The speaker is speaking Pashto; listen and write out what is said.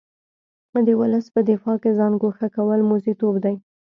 د ولس په دفاع کې ځان ګوښه کول موزیتوب دی.